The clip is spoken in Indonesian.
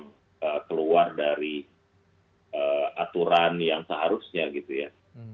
yang keluar dari aturan yang seharusnya gitu ya